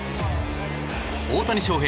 大谷翔平